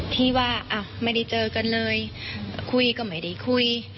ที่ว่าไม่ได้เจอกันเลยคุยก็ไม่ได้คุย